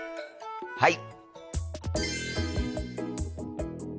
はい！